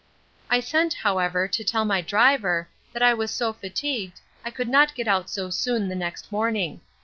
I sent, however, to tell my driver, that I was so fatigued, I could not get out so soon the next morning.